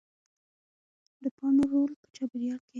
د پاڼو رول په چاپېریال کې